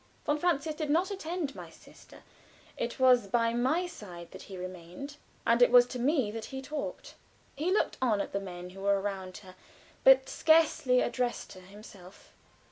Von Francius did not attend my sister; it was by my side that he remained and it was to me that he talked. He looked on at the men who were around her, but scarcely addressed her himself.